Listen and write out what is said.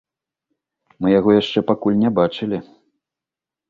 Мы яго яшчэ пакуль не бачылі.